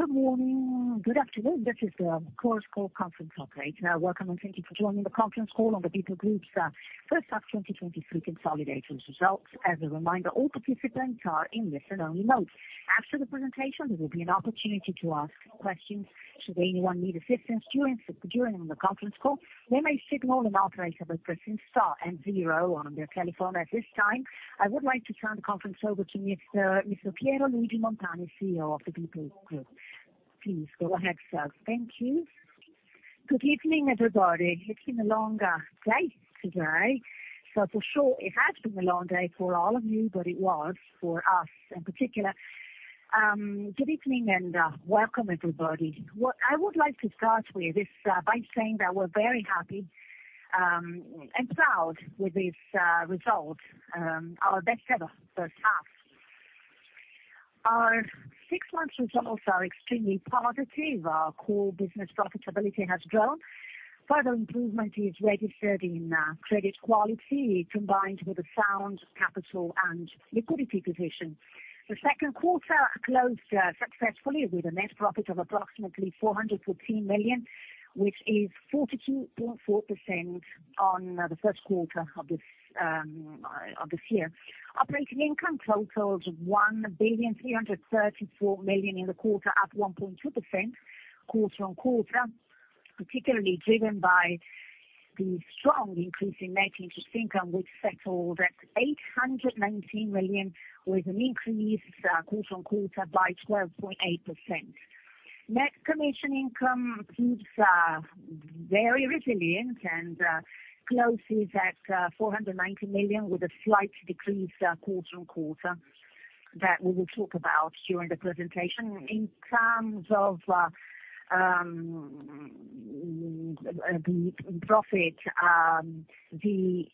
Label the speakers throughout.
Speaker 1: Good morning. Good afternoon, this is the Chorus Call Conference Operator. Welcome, and thank you for joining the conference call on the BPER Group's First Half 2023 Consolidated Results. As a reminder, all participants are in listen-only mode. After the presentation, there will be an opportunity to ask questions. Should anyone need assistance during the conference call, they may signal an operator by pressing star and zero on their telephone. At this time, I would like to turn the conference over to Mr. Piero Luigi Montani, CEO of the BPER Group. Please go ahead, sir.
Speaker 2: Thank you. Good evening, everybody. It's been a long day today. For sure it has been a long day for all of you, but it was for us in particular. Good evening, and welcome everybody. What I would like to start with is by saying that we're very happy and proud with this result, our best ever first half. Our six months results are extremely positive. Our core business profitability has grown. Further improvement is registered in credit quality, combined with a sound capital and liquidity position. The second quarter closed successfully with a net profit of approximately 414 million, which is 42.4% on the first quarter of this year. Operating income totaled 1,334 million in the quarter, up 1.2%, quarter-on-quarter, particularly driven by the strong increase in net interest income, which settled at 819 million, with an increase quarter-on-quarter by 12.8%. Net commission income keeps very resilient and closes at 490 million, with a slight decrease quarter-on-quarter, that we will talk about during the presentation. In terms of the profit, the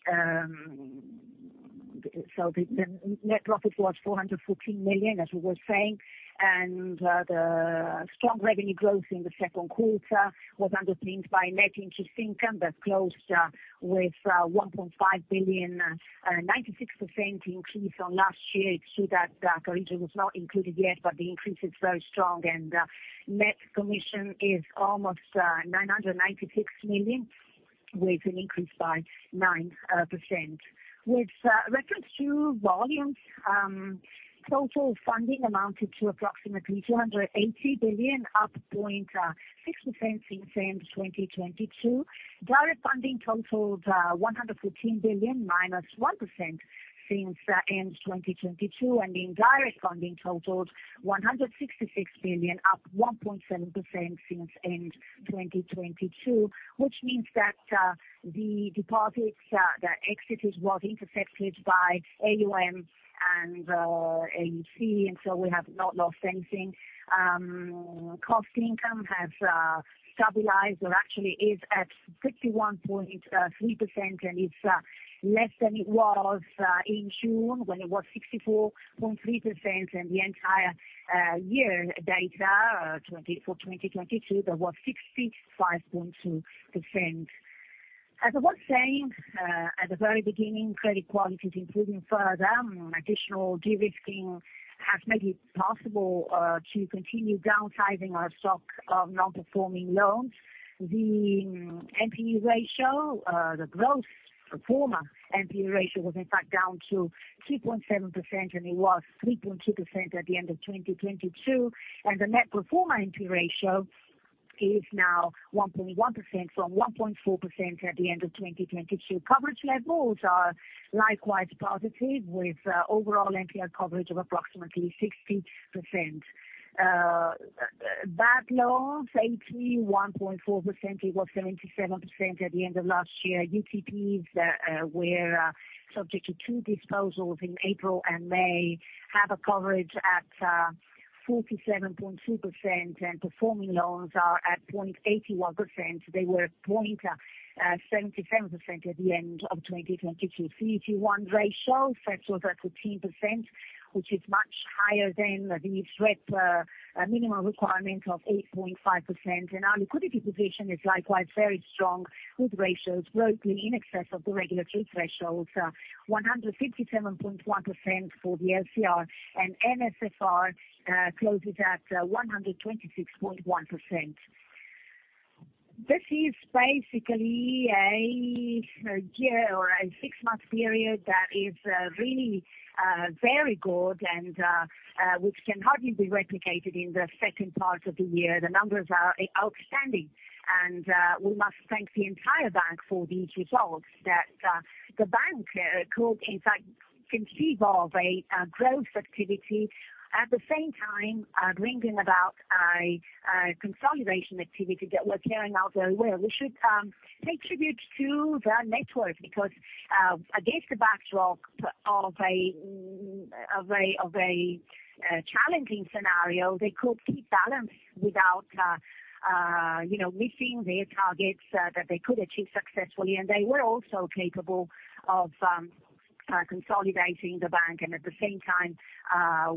Speaker 2: net profit was 414 million, as I was saying, and the strong revenue growth in the second quarter was underpinned by net interest income that closed with 1.5 billion, a 96% increase on last year. Carige was not included yet, but the increase is very strong, and net commission is almost 996 million, with an increase by 9%. With reference to volumes, total funding amounted to approximately 280 billion, up 0.6% since end 2022. Direct funding totaled 114 billion, minus 1% since end 2022, and indirect funding totaled 166 billion, up 1.7% since end 2022. Which means that the deposits, the exit is, was intercepted by AuM and AuC, and so we have not lost anything. cost-to-income has stabilized, or actually is at 61.3%, and it's less than it was in June, when it was 64.3%. The entire year data 2022 was 65.2%. As I was saying, at the very beginning, credit quality is improving further. Additional de-risking has made it possible to continue downsizing our stock of non-performing loans. The NPE ratio, the gross performer NPE ratio, was in fact down to 2.7%, and it was 3.2% at the end of 2022. The net performer NPE ratio is now 1.1% from 1.4% at the end of 2022. Coverage levels are likewise positive, with, overall NPL coverage of approximately 60%. Bad loans, 81.4%, it was 77% at the end of last year. UTPs, were subject to two disposals in April and May, have a coverage at, 47.2%, and performing loans are at 0.81%. They were at 0.77% at the end of 2022. CET1 ratio settled at 13%, which is much higher than the threat minimum requirement of 8.5%. Our liquidity position is likewise very strong, with ratios broadly in excess of the regulatory thresholds, 157.1% for the LCR, and NSFR closes at 126.1%. This is basically a year, or a six-month period, that is really very good, and which can hardly be replicated in the second part of the year. The numbers are outstanding, and we must thank the entire bank for these results. That the bank could, in fact, conceive of a growth activity, at the same time, bringing about a consolidation activity that was carrying out very well. We should pay tribute to the network because against the backdrop of a challenging scenario, they could keep balance without, you know, missing their targets that they could achieve successfully. They were also capable of consolidating the bank, and at the same time,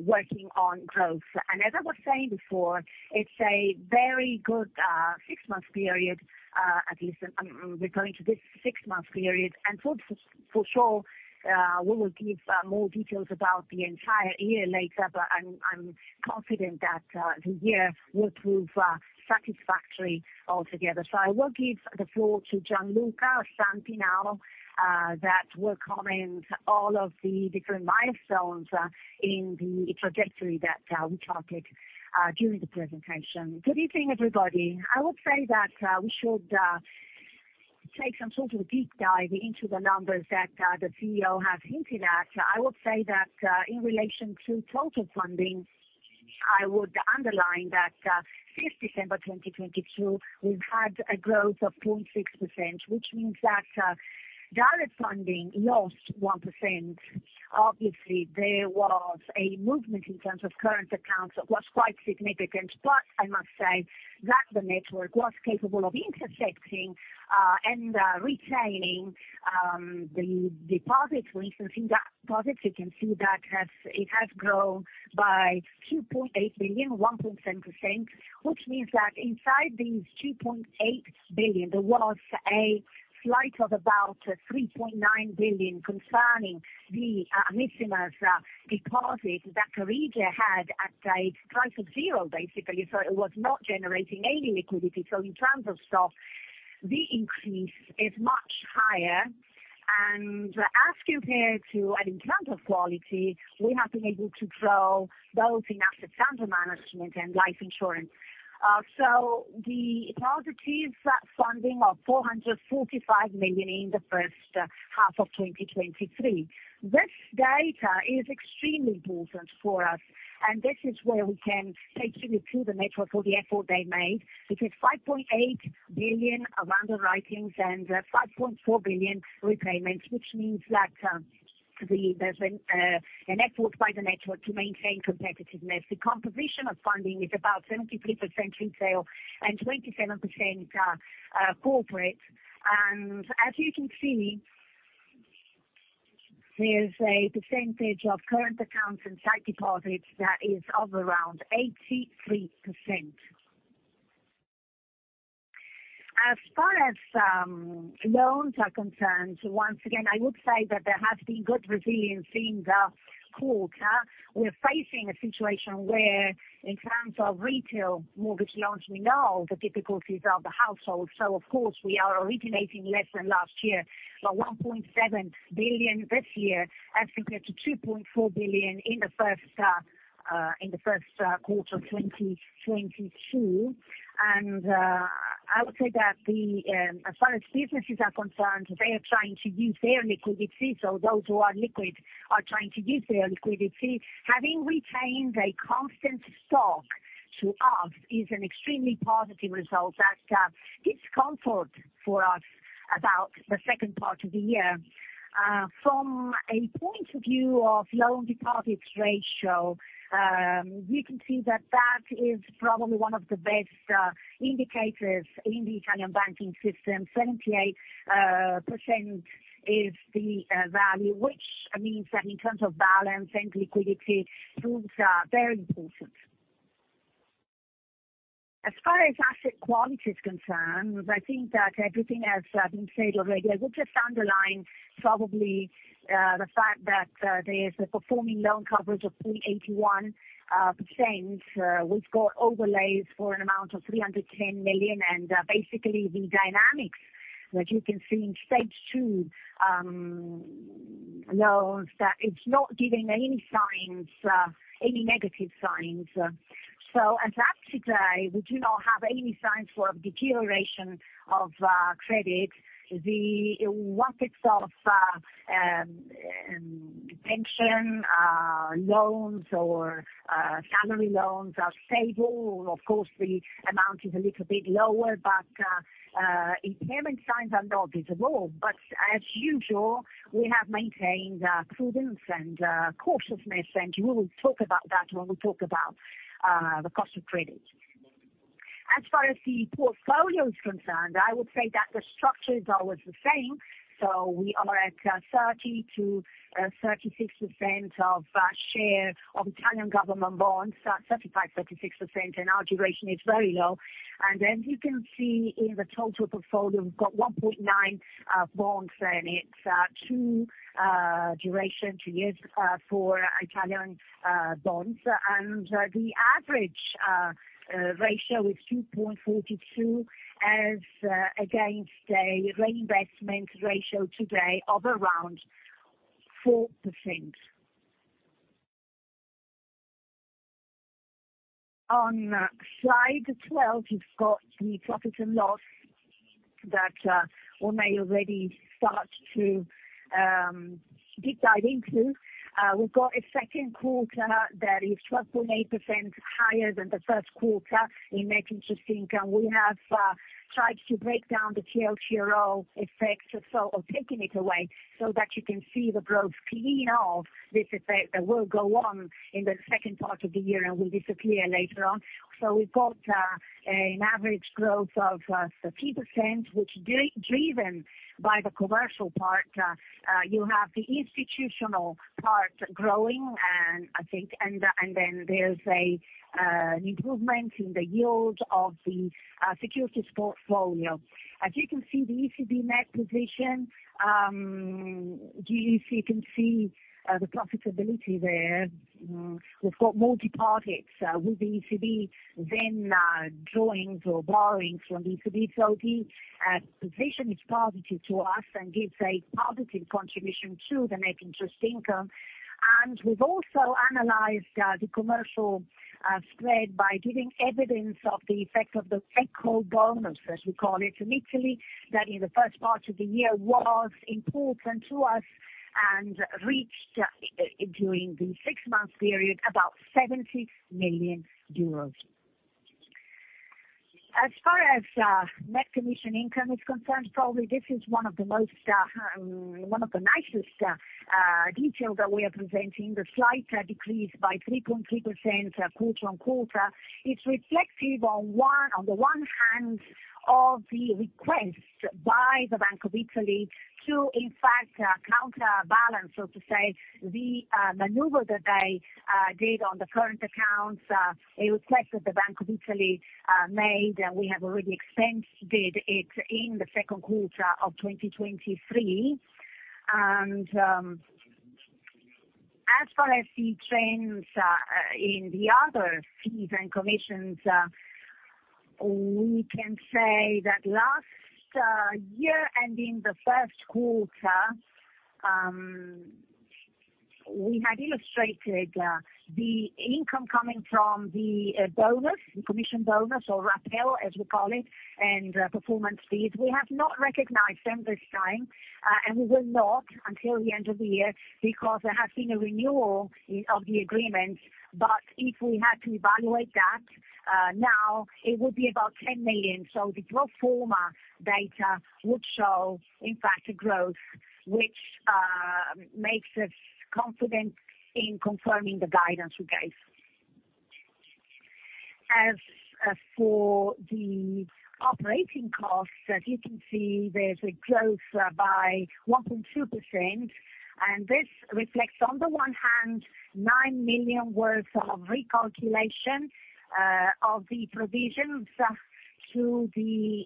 Speaker 2: working on growth. As I was saying before, it's a very good six-month period, at least, we're going to this six-month period, and for, for sure, we will give more details about the entire year later. I'm, I'm confident that the year will prove satisfactory altogether. I will give the floor to Gian Luca Santi now that will comment all of the different milestones in the trajectory that we targeted during the presentation.
Speaker 3: Good evening, everybody. I would say that we should take some sort of deep dive into the numbers that the CEO has hinted at. I would say that in relation to total funding, I would underline that since December 2022, we've had a growth of 0.6%, which means that direct funding lost 1%. There was a movement in terms of current accounts that was quite significant. I must say that the network was capable of intercepting and retaining the deposits, for instance, in deposits, you can see that has it has grown by 2.8 billion, 1.7%, which means that inside these 2.8 billion, there was a slight of about 3.9 billion concerning the missing of deposits that Carige had at a price of zero, basically. It was not generating any liquidity. In terms of stock, the increase is much higher. As you compare to, and in terms of quality, we have been able to grow both in asset under management and life insurance. The positive funding of 445 million in the first half of 2023. This data is extremely important for us, and this is where we can say thank you to the network for the effort they made. 5.8 billion of underwritings and 5.4 billion repayments, which means that there's an effort by the network to maintain competitiveness. The composition of funding is about 73% retail and 27% corporate. As you can see, there's a percentage of current accounts and sight deposits that is of around 83%. As far as loans are concerned, once again, I would say that there has been good resilience in the quarter. We're facing a situation where, in terms of retail mortgage loans, we know the difficulties of the household. Of course, we are originating less than last year, but 1.7 billion this year, as compared to 2.4 billion in the first quarter of 2022. I would say that the as far as businesses are concerned, they are trying to use their liquidity, so those who are liquid are trying to use their liquidity. Having retained a constant stock to us is an extremely positive result that gives comfort for us about the second part of the year. From a point of view of loan deposits ratio, you can see that that is probably one of the best indicators in the Italian banking system. 78% is the value, which means that in terms of balance and liquidity, things are very important. As far as asset quality is concerned, I think that everything has been said already. I would just underline probably the fact that there is a performing loan coverage of 381%. We've got overlays for an amount of 310 million, and basically, the dynamics that you can see in Stage 2 knows that it's not giving any signs, any negative signs. As at today, we do not have any signs for a deterioration of credit. The pockets of pension loans or salary loans are stable. Of course, the amount is a little bit lower, but impairment signs are not visible. As usual, we have maintained prudence and cautiousness, and we will talk about that when we talk about the cost of credit. As far as the portfolio is concerned, I would say that the structure is always the same, so we are at 30%-36% of share of Italian government bonds, 35%, 36%, and our duration is very low. As you can see in the total portfolio, we've got 1.9 bonds, and it's two duration, two years for Italian bonds. The average ratio is 2.42, as against a reinvestment ratio today of around 4%. On slide 12, you've got the profit and loss that we may already start to deep dive into. We've got a second quarter that is 12.8% higher than the first quarter in net interest income. We have tried to break down the TLTRO effects, so of taking it away, so that you can see the growth clean of this effect that will go on in the second part of the year and will disappear later on. We've got an average growth of 30%, which driven by the commercial part. You have the institutional part growing, and I think, and then there's an improvement in the yield of the securities portfolio. As you can see, the ECB net position, you, you can see the profitability there. We've got multi parts with the ECB, then drawings or borrowings from the ECB. The position is positive to us and gives a positive contribution to the net interest income. We've also analyzed the commercial spread by giving evidence of the effect of the Ecobonus, as we call it, in Italy, that in the first part of the year was important to us and reached during the six-month period, about 70 million euros. As far as net commission income is concerned, probably this is one of the most, one of the nicest detail that we are presenting. The slight decrease by 3.3% quarter-on-quarter, it's reflective on the one hand, of the request by the Bank of Italy to, in fact, counterbalance, so to say, the maneuver that they did on the current accounts. A request that the Bank of Italy made, and we have already expensed it in the second quarter of 2023. As far as the trends in the other fees and commissions, we can say that last year, and in the first quarter, we had illustrated the income coming from the bonus, the commission bonus, or [rappel], as we call it, and performance fees. We have not recognized them this time, and we will not until the end of the year because there has been a renewal of the agreement. If we had to evaluate that, now, it would be about 10 million. The pro forma data would show, in fact, a growth which makes us confident in confirming the guidance we gave. As for the operating costs, as you can see, there's a growth by 1.2%, and this reflects, on the one hand, 9 million worth of recalculation of the provisions to the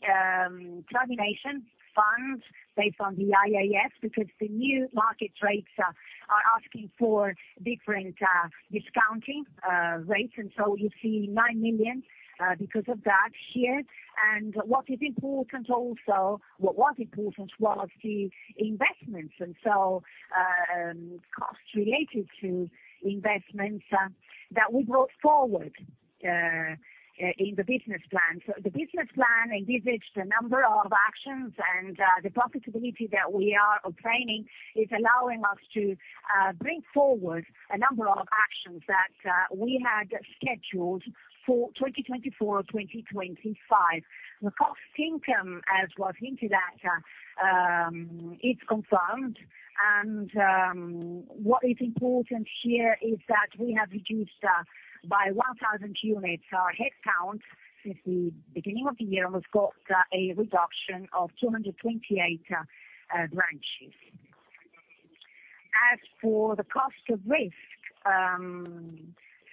Speaker 3: termination fund based on the IAS, because the new market rates are asking for different discounting rates. You see 9 million because of that here. What is important also, what important was the investments, and so costs related to investments that we brought forward in the business plan. The business plan envisaged a number of actions, and the profitability that we are obtaining is allowing us to bring forward a number of actions that we had scheduled for 2024, or 2025. The cost-to-income, as was hinted at, is confirmed, and what is important here is that we have reduced by 1,000 units, our headcount since the beginning of the year, and we've got a reduction of 228 branches. As for the cost of risk,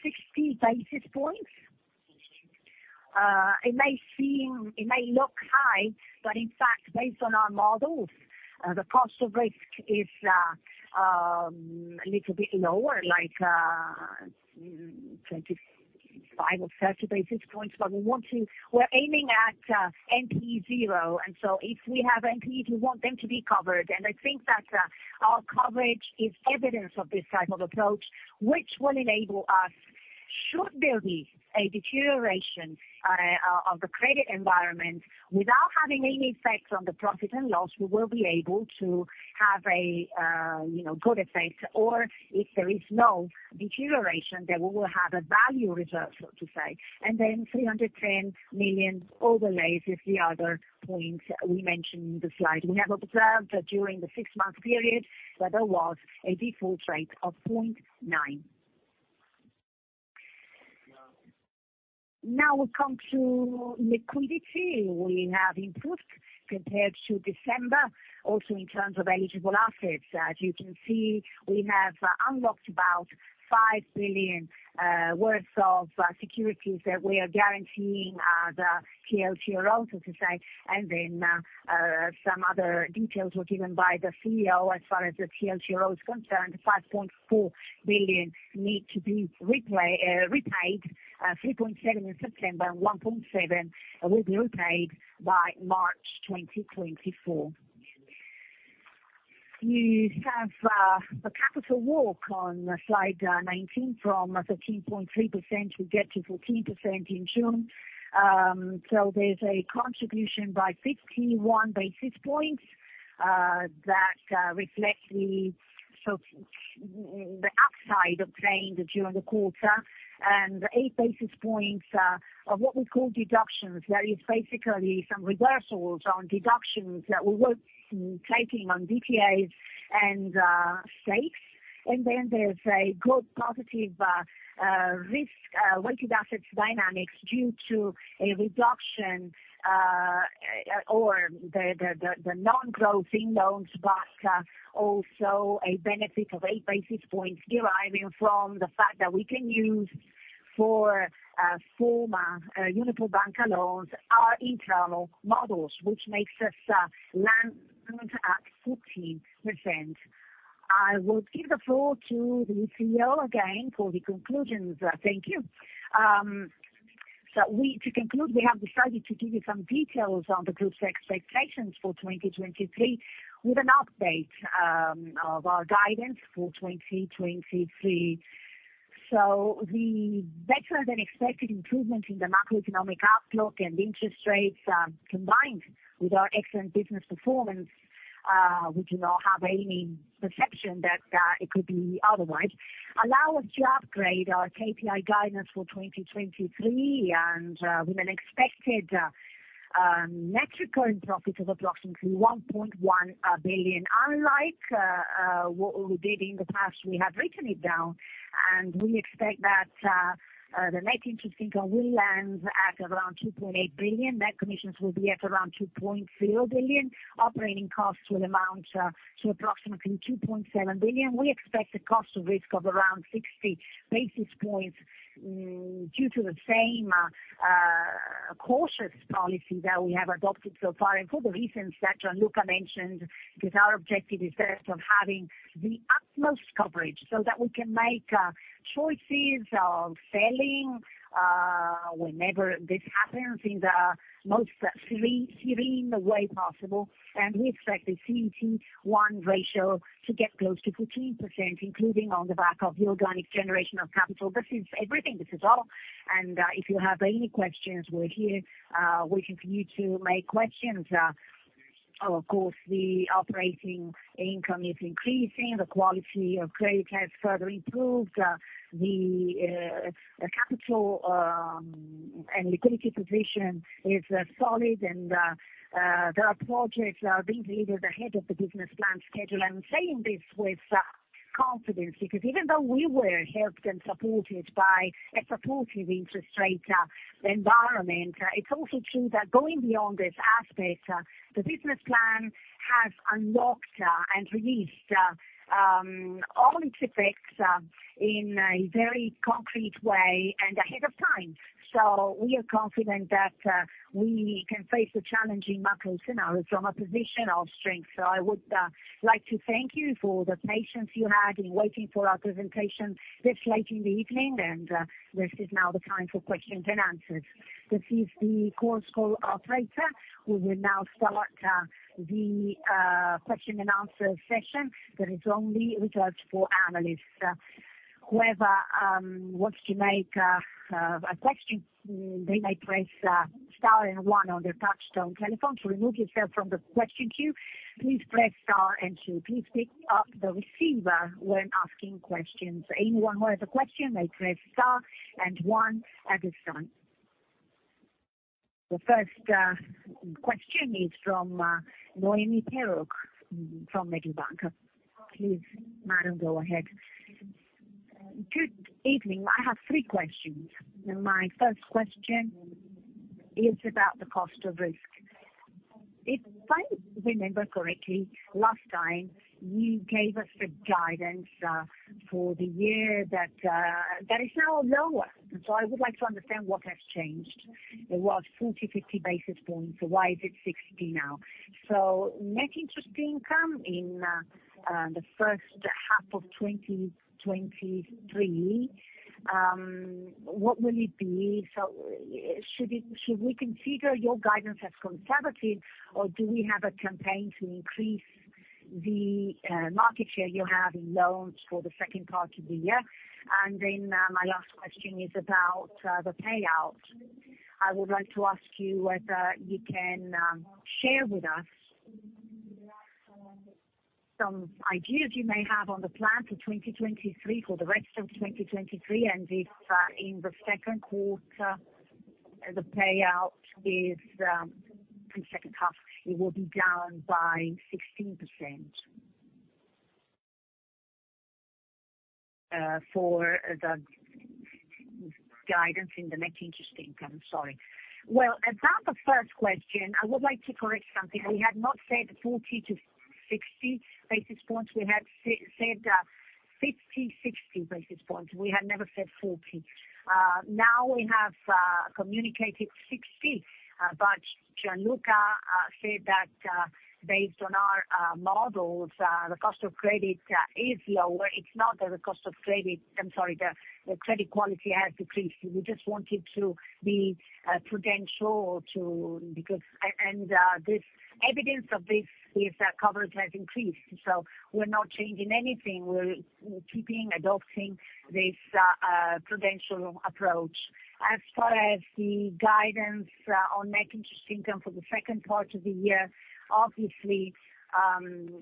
Speaker 3: 60 basis points, it may seem, it may look high, but in fact, based on our models, the cost of risk is a little bit lower, like 25 or 30 basis points. We want to... We're aiming at NPE zero. So if we have NPEs, we want them to be covered. I think that our coverage is evidence of this type of approach, which will enable us, should there be a deterioration of the credit environment, without having any effect on the profit and loss, we will be able to have a, you know, good effect, or if there is no deterioration, then we will have a value reserve, so to say. 310 million overlays is the other point we mentioned in the slide. We have observed that during the six-month period, that there was a default rate of 0.9%. We come to liquidity. We have improved compared to December, also in terms of eligible assets. As you can see, we have unlocked about 5 billion worth of securities that we are guaranteeing the TLTRO, so to say, and then, some other details were given by the CEO. As far as the TLTRO is concerned, 5.4 billion need to be repaid, 3.7 in September, and 1.7 will be repaid by March 2024. You have the capital walk on slide 19 from 13.3% to get to 14% in June. So there's a contribution by 51 basis points that reflect the, so the upside of trading during the quarter, and 8 basis points of what we call deductions. That is basically some reversals on deductions that we were taking on DTAs and stakes. There's a good positive risk-weighted assets dynamics due to a reduction or the non-growth in loans, but also a benefit of 8 basis points deriving from the fact that we can use for former Unipol Banca loans, our internal models, which makes us land at 14%. I will give the floor to the CEO again for the conclusions.
Speaker 2: Thank you. We, to conclude, we have decided to give you some details on the Group's expectations for 2023, with an update of our guidance for 2023. The better than expected improvement in the macroeconomic outlook and interest rates, combined with our excellent business performance, we do not have any perception that it could be otherwise, allow us to upgrade our KPI guidance for 2023, with an expected net recurrent profit of approximately 1.1 billion. Unlike what we did in the past, we have written it down, and we expect that the net interest income will land at around 2.8 billion. Net commissions will be at around 2.0 billion. Operating costs will amount to approximately 2.7 billion. We expect a cost of risk of around 60 basis points, due to the same cautious policy that we have adopted so far, and for the reasons that Gian Luca mentioned, because our objective is that of having the utmost coverage, so that we can make choices of selling whenever this happens, in the most serene, serene way possible. We expect the CET1 ratio to get close to 14%, including on the back of the organic generation of capital. This is everything. This is all. If you have any questions, we're here waiting for you to make questions. Of course, the operating income is increasing, the quality of credit has further improved, the capital and liquidity position is solid and there are projects being delivered ahead of the business plan schedule. I'm saying this with confidence, because even though we were helped and supported by a supportive interest rate environment, it's also true that going beyond this aspect, the business plan has unlocked and released all its effects in a very concrete way and ahead of time. We are confident that we can face the challenging macro scenario from a position of strength. I would like to thank you for the patience you had in waiting for our presentation this late in the evening. This is now the time for questions and answers.
Speaker 1: This is the conference call operator. We will now start the question and answer session that is only reserved for analysts. Whoever wants to make a question, they may press star and one on their touchtone telephone. To remove yourself from the question queue, please press star and two. Please pick up the receiver when asking questions. Anyone who has a question may press star and one at this time. The first question is from Noemi Peruch from Mediobanca. Please, madam, go ahead.
Speaker 4: Good evening. I have three questions. My first question is about the cost of risk. If I remember correctly, last time you gave us a guidance for the year that is now lower. I would like to understand what has changed. It was 40-50 basis points. Why is it 60 now? Net interest income in the first half of 2023, what will it be? Should it- should we consider your guidance as conservative, or do we have a campaign to increase the market share you have in loans for the second part of the year? Then, my last question is about the payout. I would like to ask you whether you can share with us some ideas you may have on the plan for 2023, for the rest of 2023, and if, in the second quarter, the payout is the second half, it will be down by 16%. For the guidance in the net interest income.
Speaker 2: Sorry. About the first question, I would like to correct something. We had not said 40 to 60 basis points. We had said 50, 60 basis points. We had never said 40. Now we have communicated 60, but Gian Luca said that based on our models, the cost of credit is lower. It's not that the cost of credit. I'm sorry, the, the credit quality has decreased. We just wanted to be prudential to, and this evidence of this is that coverage has increased, so we're not changing anything. We're keeping, adopting this prudential approach. As far as the guidance on net interest income for the second part of the year, obviously,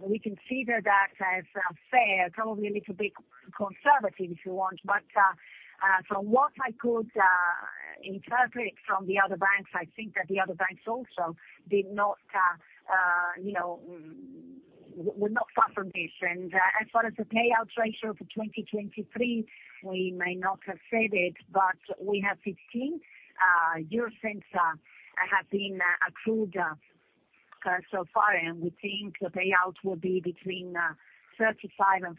Speaker 2: we consider that as fair, probably a little bit conservative, if you want. From what I could interpret from the other banks, I think that the other banks also did not, you know, were not far from this. As far as the payout ratio for 2023, we may not have said it, but we have 0.15 have been accrued so far, and we think the payout will be between 35%-40%.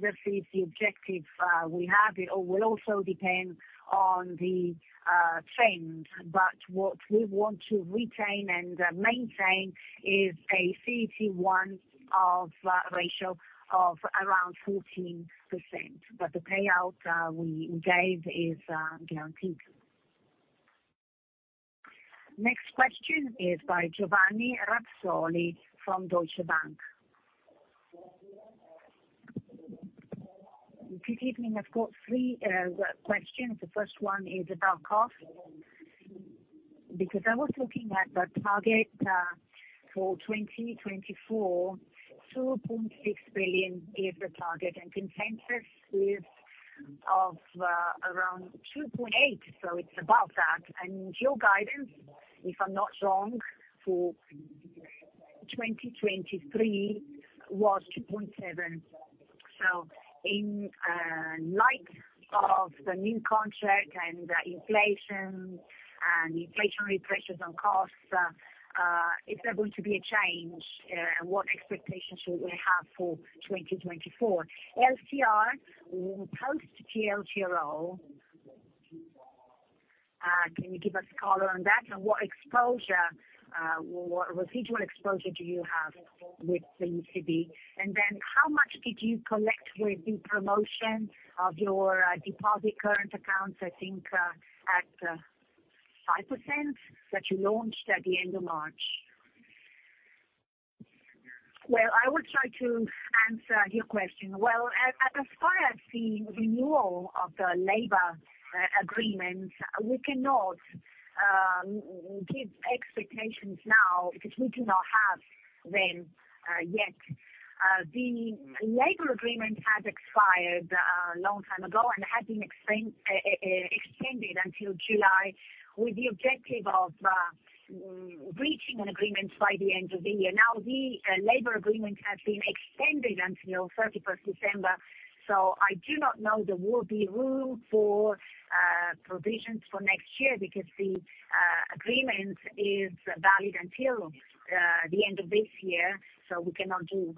Speaker 2: This is the objective we have. It will also depend on the trend, but what we want to retain and maintain is a CET1 ratio of around 14%, but the payout we gave is guaranteed.
Speaker 1: Next question is by Giovanni Razzoli from Deutsche Bank.
Speaker 5: Good evening. I've got three questions. The first one is about cost. Because I was looking at the target for 2024, 2.6 billion is the target, and consensus is of around 2.8 billion, so it's above that. Your guidance, if I'm not wrong, for 2023 was 2.7. In light of the new contract and the inflation, and inflationary pressures on costs, is there going to be a change, and what expectations should we have for 2024? LCR post TLTRO, can you give us color on that, and what exposure, what residual exposure do you have with the ECB? How much did you collect with the promotion of your deposit current accounts, I think, at 5%, that you launched at the end of March?
Speaker 2: I will try to answer your question. As far as the renewal of the labor agreement, we cannot give expectations now because we do not have them yet. The labor agreement had expired long time ago and had been extended until July, with the objective of reaching an agreement by the end of the year. The labor agreement has been extended until 31st December, so I do not know there will be room for provisions for next year because the agreement is valid until the end of this year, so we cannot do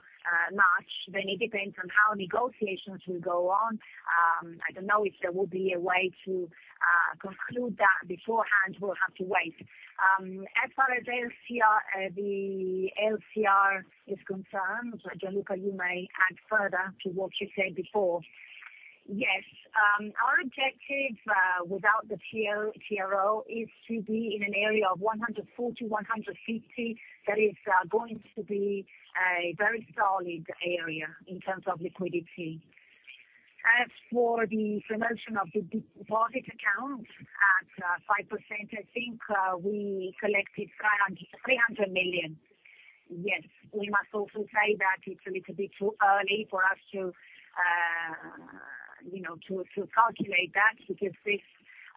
Speaker 2: much. It depends on how negotiations will go on. I don't know if there will be a way to conclude that beforehand. We'll have to wait. As far as LCR, the LCR is concerned, Gian Luca, you may add further to what you said before.
Speaker 3: Yes, our objective, without the TLTRO, is to be in an area of 140, 150. That is going to be a very solid area in terms of liquidity. As for the promotion of the deposit account at 5%, I think we collected 300 million. Yes, we must also say that it's a little bit too early for us to, you know, to calculate that, because this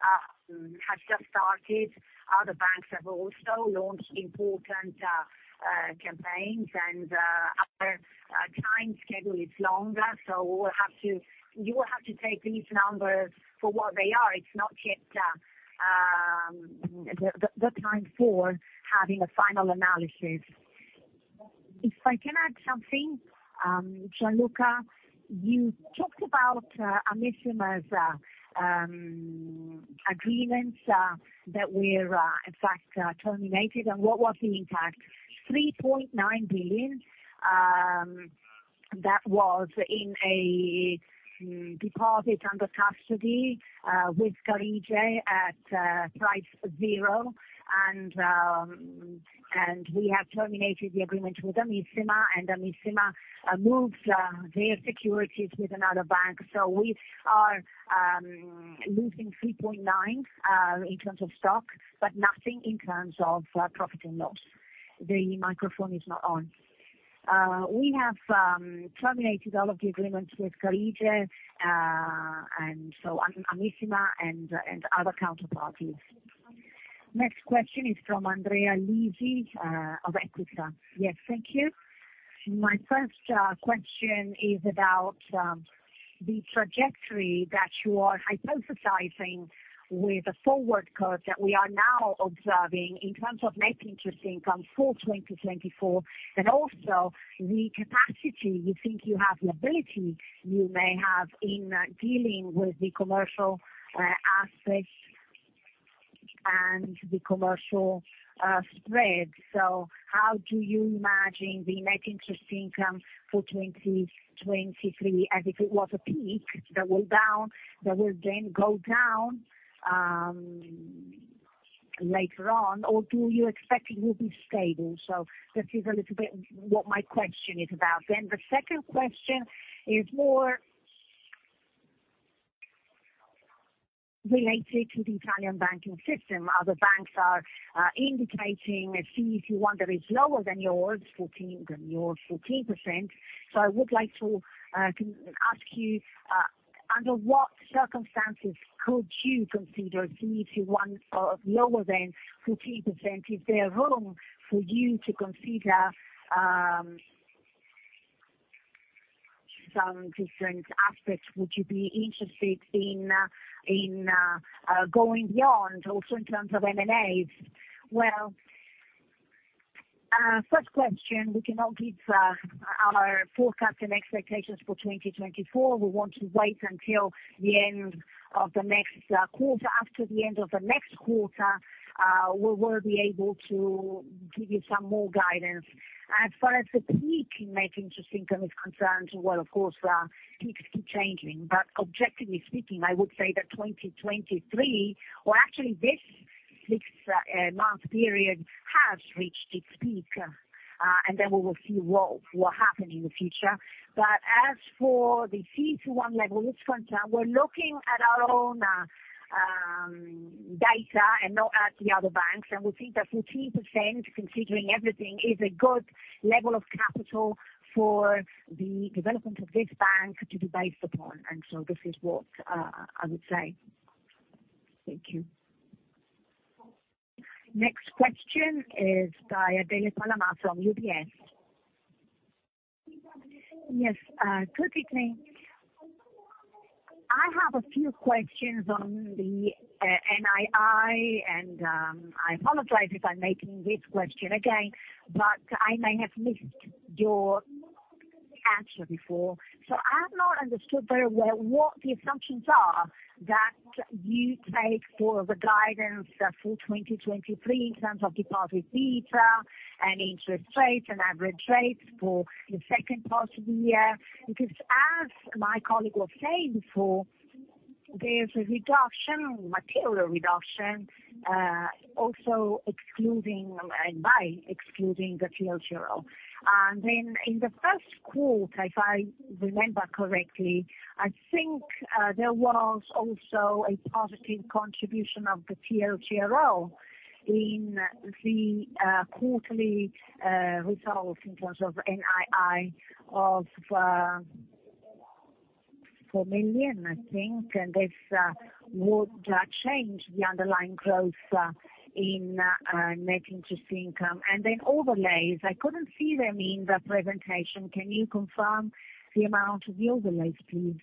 Speaker 3: has just started. Other banks have also launched important campaigns, and our time schedule is longer, so we'll have to. You will have to take these numbers for what they are. It's not yet the time for having a final analysis.
Speaker 5: If I can add something, Gian Luca, you talked about Amissima's agreements that were in fact terminated, and what was the impact?
Speaker 3: 3.9 billion that was in a deposit under custody with Carige at price zero. We have terminated the agreement with Amissima, Amissima moved their securities with another bank. We are losing 3.9 in terms of stock, but nothing in terms of profit and loss. The microphone is not on. We have terminated all of the agreements with Carige, and Amissima and other counterparties.
Speaker 1: Next question is from Andrea Lisi of Equita.
Speaker 6: Yes, thank you. My first question is about the trajectory that you are hypothesizing with the forward curve that we are now observing in terms of net interest income for 2024, and also the capacity you think you have, the ability you may have in dealing with the commercial assets and the commercial spread. How do you imagine the net interest income for 2023, as if it was a peak, that will down- that will then go down later on, or do you expect it will be stable? This is a little bit what my question is about. The second question is more related to the Italian banking system. Other banks are indicating a CET1 that is lower than yours, 14, than your 14%. I would like to con- ask you under what circumstances could you consider CET1 lower than 14%? Is there room for you to consider some different aspects? Would you be interested in in going beyond, also in terms of M&As?
Speaker 2: Well, first question, we cannot give our forecast and expectations for 2024. We want to wait until the end of the next quarter. After the end of the next quarter, we will be able to give you some more guidance. As far as the peak in net interest income is concerned, well, of course, peaks keep changing, but objectively speaking, I would say that 2023, or actually this six month period, has reached its peak. Then we will see what, what happen in the future. As for the CET1 level is concerned, we're looking at our own data and not at the other banks. We think that 14%, considering everything, is a good level of capital for the development of this bank to be based upon. This is what I would say.
Speaker 1: Thank you. Next question is by Adele Palamà from UBS.
Speaker 7: Yes, good evening. I have a few questions on the NII, and I apologize if I'm making this question again, but I may have missed your answer before. I have not understood very well what the assumptions are that you take for the guidance for 2023, in terms of deposit beta and interest rates, and average rates for the second part of the year. Because as my colleague was saying before, there's a reduction, material reduction, also excluding, and by excluding the TLTRO. In the first quarter, if I remember correctly, I think, there was also a positive contribution of the TLTRO in the quarterly results in terms of NII of 4 million, I think, and this would change the underlying growth in net interest income. Overlays, I couldn't see them in the presentation. Can you confirm the amount of the overlays, please?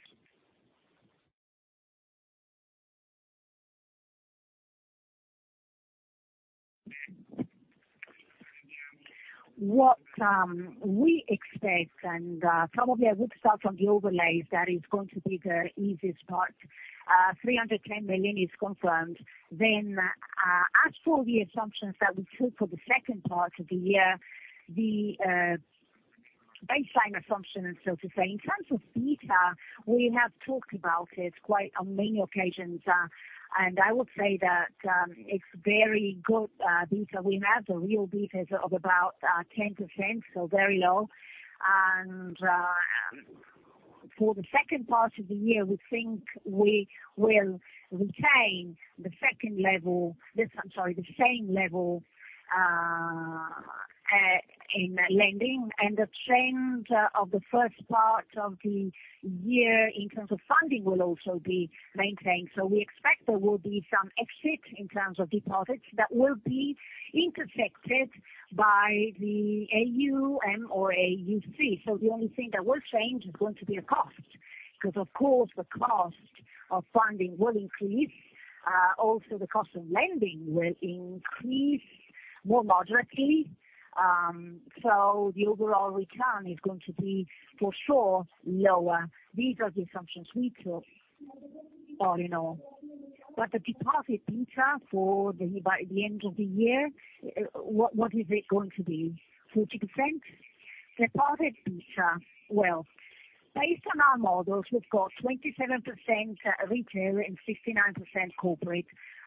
Speaker 2: What we expect and probably I would start from the overlays that is going to be the easiest part. 310 million is confirmed. As for the assumptions that we took for the second part of the year, the baseline assumption, and so to say, in terms of beta, we have talked about it quite on many occasions, and I would say that, it's very good, beta we have. The real beta is of about 10%, so very low. For the second part of the year, we think we will retain the second level, this. I'm sorry, the same level, in lending, and the trend of the first part of the year in terms of funding will also be maintained. We expect there will be some exit in terms of deposits that will be intersected by the AuM or AuC. The only thing that will change is going to be the cost, because of course, the cost of funding will increase. Also, the cost of lending will increase more moderately. The overall return is going to be, for sure, lower. These are the assumptions we took, all in all. The deposit beta for the, by the end of the year, what, what is it going to be? 40%? Deposit beta. Well, based on our models, we've got 27% retail and 59% corporate.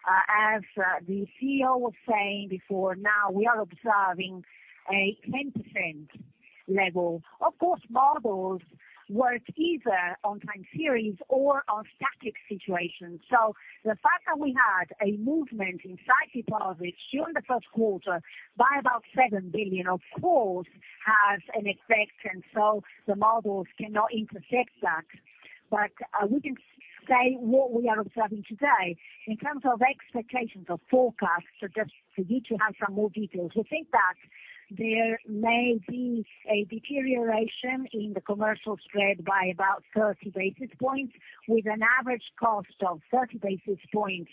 Speaker 2: As the CEO was saying before, now we are observing a 10% level. Of course, models work either on time series or on static situations. The fact that we had a movement in sight deposit during the first quarter, by about 7 billion, of course, has an effect, and so the models cannot intersect that. We can say what we are observing today. In terms of expectations or forecasts, just for you to have some more details, we think that there may be a deterioration in the commercial spread by about 30 basis points, with an average cost of 30 basis points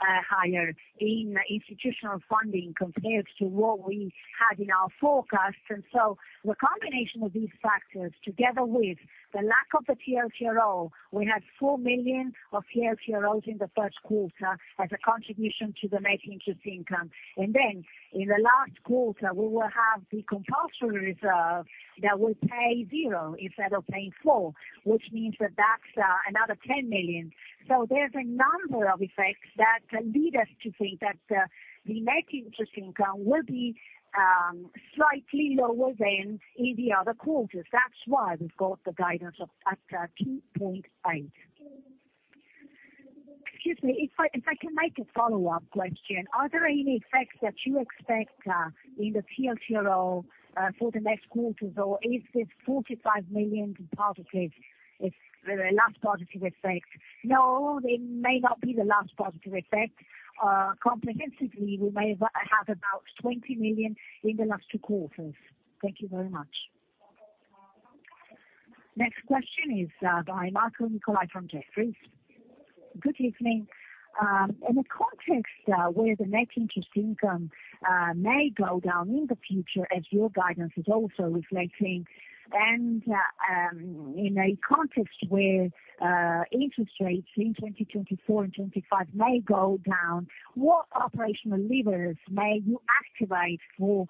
Speaker 2: higher in institutional funding, compared to what we had in our forecast. The combination of these factors, together with the lack of the TLTRO, we had 4 million of TLTROs in the first quarter as a contribution to the net interest income. In the last quarter, we will have the compulsory reserve that will pay zero instead of paying four, which means that that's another 10 million. There's a number of effects that lead us to think that the net interest income will be slightly lower than in the other quarters. That's why we've got the guidance of at 2.8.
Speaker 7: Excuse me, if I can make a follow-up question. Are there any effects that you expect in the future or for the next quarters, or is this 45 million positive, it's the last positive effect?
Speaker 2: No, they may not be the last positive effect. Comprehensively, we may have about 20 million in the last two quarters.
Speaker 1: Thank you very much. Next question is by Marco Nicolai from Jefferies.
Speaker 8: Good evening. In a context where the net interest income may go down in the future, as your guidance is also reflecting, and in a context where interest rates in 2024 and 2025 may go down, what operational levers may you activate for,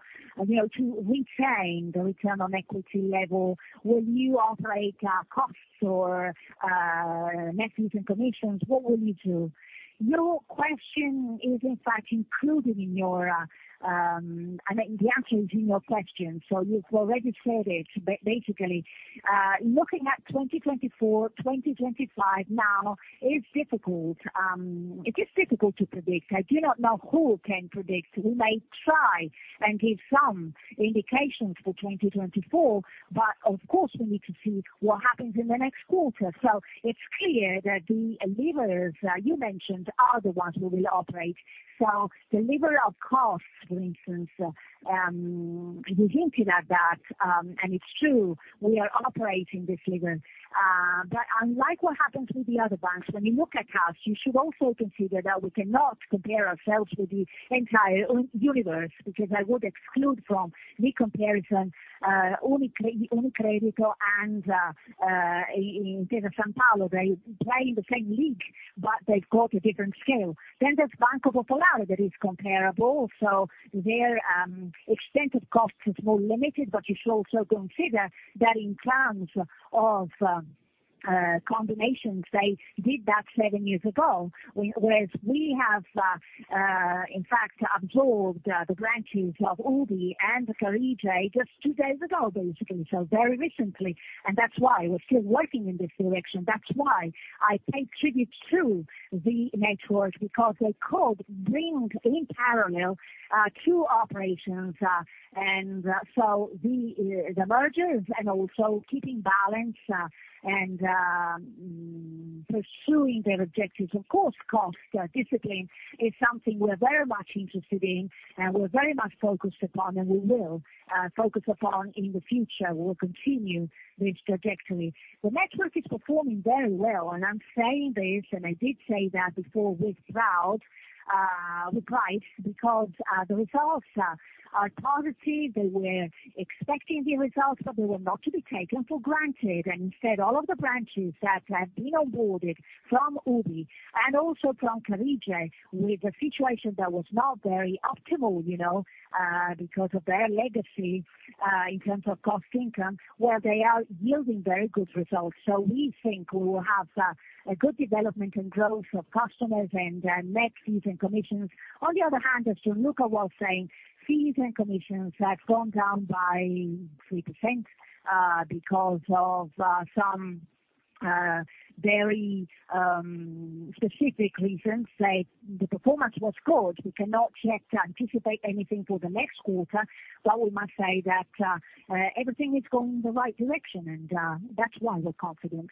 Speaker 8: you know, to retain the return on equity level? Will you operate costs or net fees and commissions? What will you do?
Speaker 2: Your question is, in fact, included in your... I mean, the answer is in your question, so you've already said it. Basically, looking at 2024, 2025 now is difficult. It is difficult to predict. I do not know who can predict. We may try and give some indications for 2024, but of course, we need to see what happens in the next quarter. It's clear that the levers you mentioned, are the ones we will operate. The lever of costs, for instance, you hinted at that, and it's true, we are operating this lever. Unlike what happened with the other banks, when you look at us, you should also consider that we cannot compare ourselves with the entire universe, because I would exclude from the comparison UniCredit, and Intesa Sanpaolo. They play in the same league, but they've got a different scale. There's Banco Popolare that is comparable, so their extent of costs is more limited, but you should also consider that in terms of combinations, they did that seven years ago. Whereas we have, in fact, absorbed the branches of UBI and Carige just two days ago, basically, so very recently, and that's why we're still working in this direction. That's why I pay tribute to the network, because they could bring in parallel two operations, and so the mergers and also keeping balance and pursuing their objectives. Of course, cost discipline is something we're very much interested in, and we're very much focused upon, and we will focus upon in the future. We'll continue this trajectory. The network is performing very well, and I'm saying this, and I did say that before without the price, because the results are, are positive. They were expecting the results, but they were not to be taken for granted. Instead, all of the branches that have been onboarded from UBI and also from Carige, with a situation that was not very optimal, you know, because of their legacy, in terms of cost-to-income, well, they are yielding very good results. We think we will have a good development and growth of customers and net fees and commissions. On the other hand, as Gian Luca was saying, fees and commissions have gone down by 3%, because of some very specific reasons. Like, the performance was good. We cannot yet anticipate anything for the next quarter, but we must say that everything is going in the right direction, and that's why we're confident.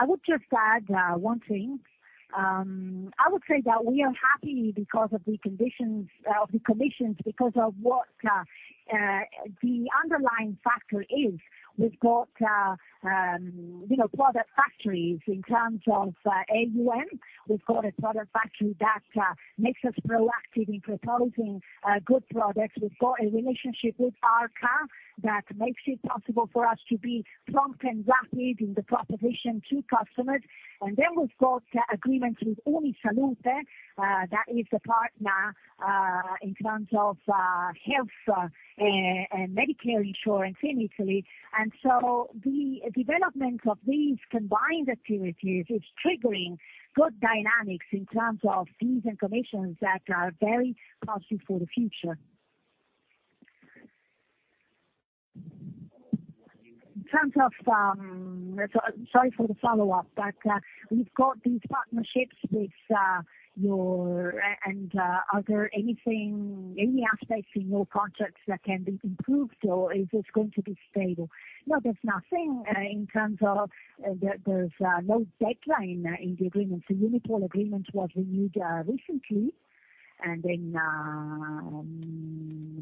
Speaker 3: I would just add one thing. I would say that we are happy because of the conditions, of the commissions, because of what the underlying factor is. We've got, you know, product factories in terms of AuM. We've got a product factory that makes us proactive in proposing good products. We've got a relationship with ARCA that makes it possible for us to be prompt and rapid in the proposition to customers. We've got agreements with UniSalute that is a partner in terms of health and Medicare insurance in Italy. The development of these combined activities is triggering good dynamics in terms of fees and commissions that are very positive for the future.
Speaker 8: In terms of, So- sorry for the follow-up, but you've got these partnerships with your... Are there anything, any aspects in your contracts that can be improved, or is this going to be stable?
Speaker 2: No, there's nothing in terms of there, there's no deadline in the agreement. The Unipol agreement was renewed recently, and then,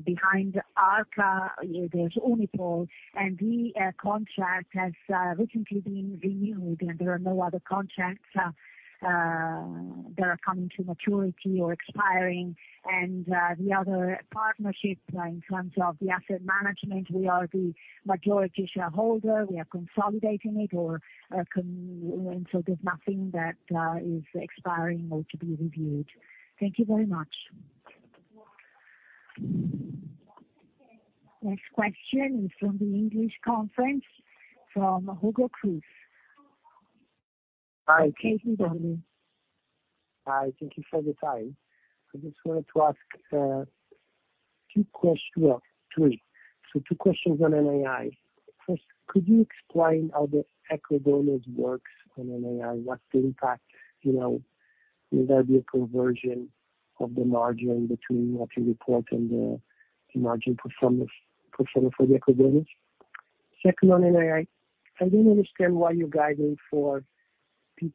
Speaker 2: behind ARCA, there's Unipol, and the contract has recently been renewed, and there are no other contracts that are coming to maturity or expiring. The other partnerships in terms of the asset management, we are the majority shareholder. We are consolidating it or so there's nothing that is expiring or to be reviewed.
Speaker 1: Thank you very much. Next question is from the English conference, from Hugo Cruz.
Speaker 9: Hi.
Speaker 1: Okay, you can begin.
Speaker 9: Hi, thank you for the time. I just wanted to ask. Two questions, well, three. Two questions on NII. First, could you explain how the Ecobonus works on NII? What's the impact, you know, will there be a conversion of the margin between what you report and the, the margin performance, performer for the Ecobonus? Second, on NII, I don't understand why you're guiding for peak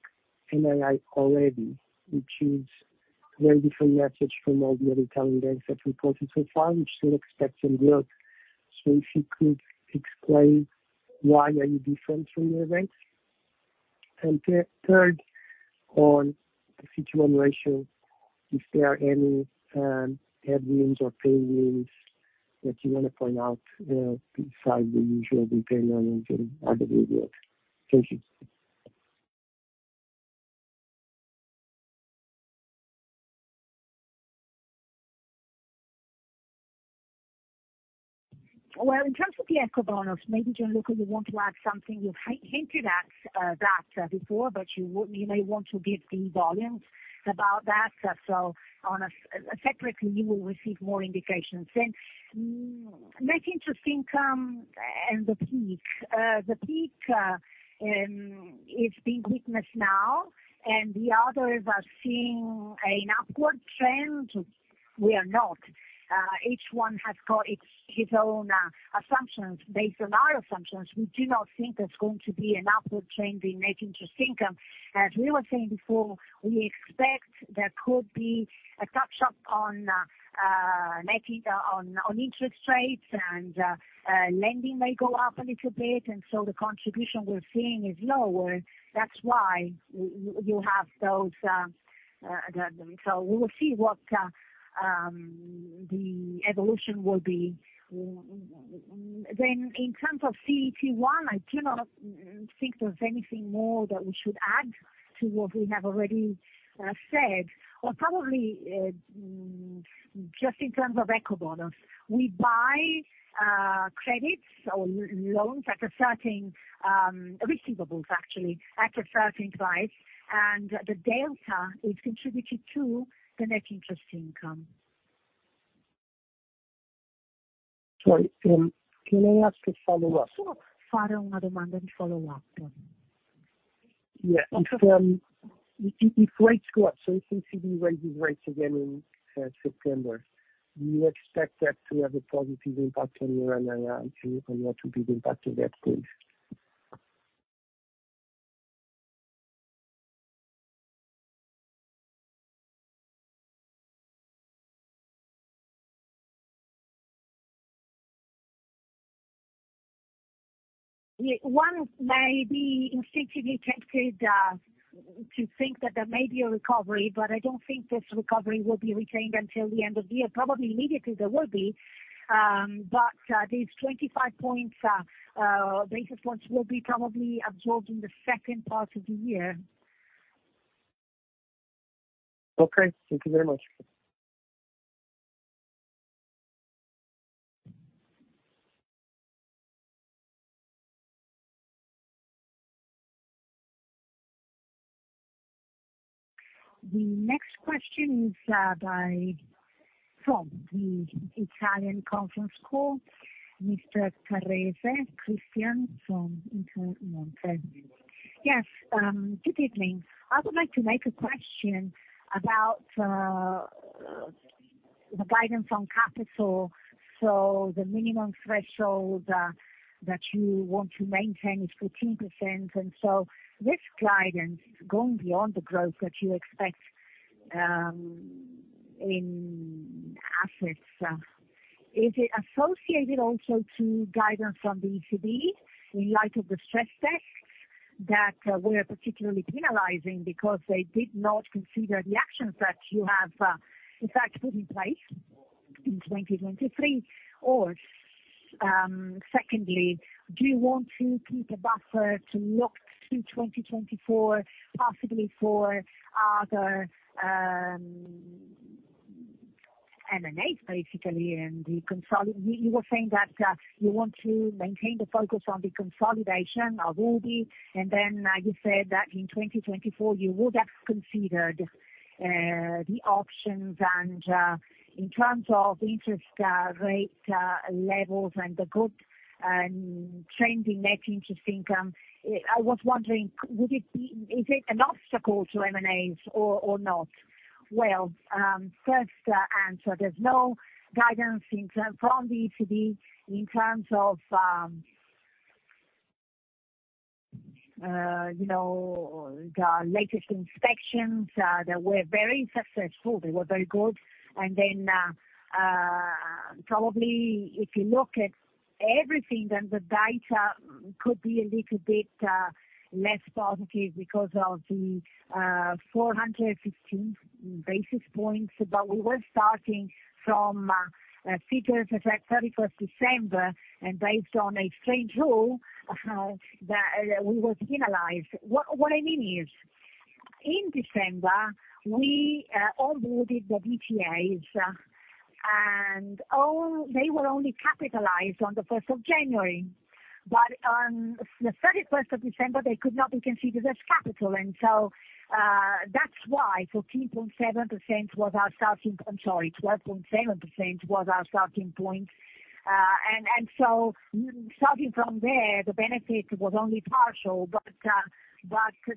Speaker 9: NII already, which is very different message from all the other Italian banks that reported so far, which still expect some growth. If you could explain why are you different from the other banks? Third, on the CET1 ratio, is there any headwinds or tailwinds that you want to point out, besides the usual depending on other good work? Thank you.
Speaker 2: Well, in terms of the Ecobonus, maybe Gian Luca, you want to add something.
Speaker 3: You've hinted at that before, but you may want to give the volumes about that. On a, separately, you will receive more indications. Net interest income and the peak. The peak is being witnessed now, and the others are seeing an upward trend. We are not. Each one has got its, his own assumptions. Based on our assumptions, we do not think there's going to be an upward trend in net interest income. As we were saying before, we expect there could be a catch-up on making on interest rates, and lending may go up a little bit, and so the contribution we're seeing is lower. That's why you have those. We will see what the evolution will be. In terms of CET1, I do not think there's anything more that we should add to what we have already said. Probably, just in terms of Ecobonus, we buy credits or loans at a certain receivables actually, at a certain price, and the delta is contributed to the net interest income.
Speaker 9: Sorry, can I ask a follow-up?
Speaker 3: Sure. Follow another one, then follow up.
Speaker 9: Yeah. If, if rates go up, so if ECB raises rates again in September, do you expect that to have a positive impact on your NII, and what would be the impact of that please?
Speaker 3: One may be instinctively tempted, to think that there may be a recovery, but I don't think this recovery will be retained until the end of the year. Probably immediately, there will be, but these 25 points, basis points will be probably absorbed in the second part of the year.
Speaker 9: Okay. Thank you very much.
Speaker 1: The next question is from the Italian conference call, Cristina Parisi from Intesa Sanpaolo.
Speaker 10: Yes, good evening. I would like to make a question about the guidance on capital. The minimum threshold that you want to maintain is 14%, and so this guidance is going beyond the growth that you expect in assets. Is it associated also to guidance from the ECB, in light of the stress test, that were particularly penalizing because they did not consider the actions that you have, in fact, put in place in 2023?
Speaker 1: Secondly, do you want to keep a buffer to look to 2024, possibly for other M&As, basically, and the consolid- you were saying that you want to maintain the focus on the consolidation of UBI, then you said that in 2024 you would have considered the options. In terms of interest rate levels and the good trend in net interest income, I was wondering, would it be- is it an obstacle to M&As or not?
Speaker 2: First, answer, there's no guidance in term- from the ECB in terms of, you know, the latest inspections, they were very successful. They were very good. Then, probably if you look at everything, then the data could be a little bit less positive because of the 415 basis points. We were starting from figures at 31st December, and based on a strange rule that we were penalized. What I mean is, in December, we onboarded the BTAs, and all- they were only capitalized on the 1st of January. On the 31st of December, they could not be considered as capital. That's why 14.7% was our starting point. I'm sorry, 12.7% was our starting point. Starting from there, the benefit was only partial, but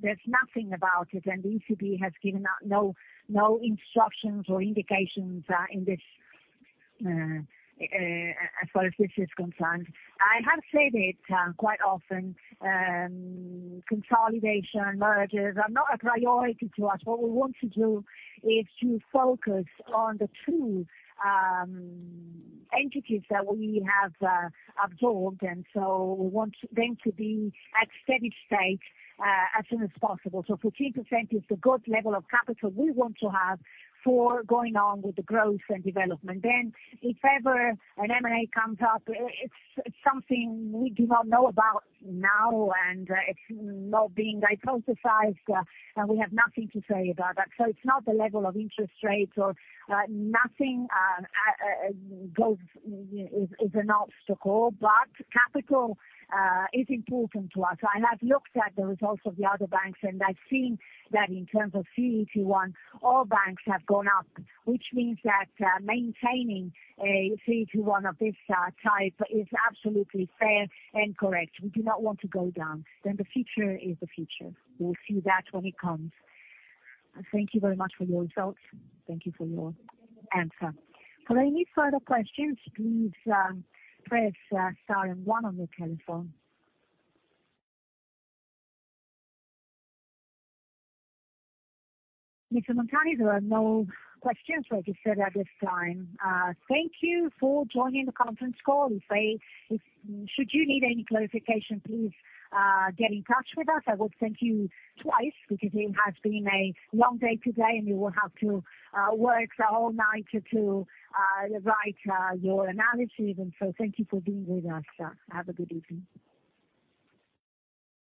Speaker 2: there's nothing about it, and the ECB has given out no, no instructions or indications, as far as this is concerned. I have said it quite often, consolidation, mergers are not a priority to us. What we want to do is to focus on the two entities that we have absorbed, we want them to be at steady state as soon as possible. 15% is a good level of capital we want to have for going on with the growth and development. If ever an M&A comes up, it's, it's something we do not know about now, it's not being hypothesized, and we have nothing to say about that.
Speaker 1: It's not the level of interest rates or nothing goes, is, is an obstacle, but capital is important to us. I have looked at the results of the other banks, and I've seen that in terms of CET1, all banks have gone up, which means that maintaining a CET1 of this type is absolutely fair and correct. We do not want to go down. The future is the future. We'll see that when it comes.
Speaker 10: Thank you very much for your results. Thank you for your answer.
Speaker 1: For any further questions, please press star and one on your telephone. Mr. Montani, there are no questions registered at this time.
Speaker 2: Thank you for joining the conference call. We say if, should you need any clarification, please get in touch with us. I will thank you twice because it has been a long day today, and you will have to work the whole night to write your analysis. So thank you for being with us. Have a good evening.